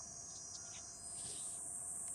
首任首长为成在基。